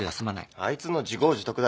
あいつの自業自得だ。